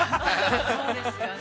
◆そうですよね。